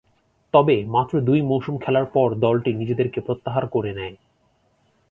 তবে, মাত্র দুই মৌসুম খেলার পর দলটি নিজেদেরকে প্রত্যাহার করে নেয়।